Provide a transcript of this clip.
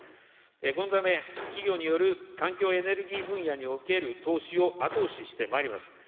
このため企業による環境エネルギー分野における投資を後押ししてまいります。